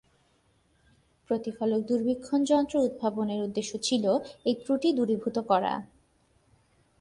প্রতিফলক দূরবীক্ষণ যন্ত্র উদ্ভাবনের উদ্দেশ্য ছিল এই ত্রুটি দূরীভূত করা।